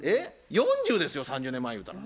４０ですよ３０年前ゆうたら。